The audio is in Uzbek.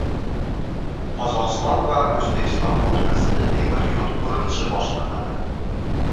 Qozog‘iston va O‘zbekiston o‘rtasida temir yo‘l qurilishi boshlanadi